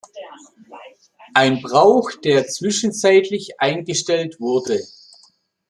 Ein Brauch der zwischenzeitlich eingestellt wurde.